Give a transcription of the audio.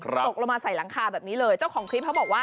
ตกลงมาใส่หลังคาแบบนี้เลยเจ้าของคลิปเขาบอกว่า